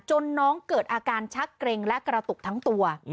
น้องเกิดอาการชักเกร็งและกระตุกทั้งตัว